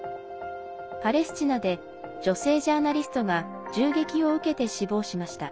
パレスチナで女性ジャーナリストが銃撃を受けて死亡しました。